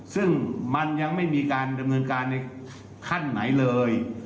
ซึ่งมันยังไม่มีการดำเนินการในขั้นไหนเลย